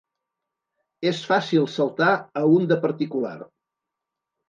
És fàcil saltar a un de particular.